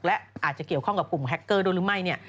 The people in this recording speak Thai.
และอาจจะเกี่ยวข้องกับกลุ่มแฮคเกอร์ด้วยหรือไม่เนี่ย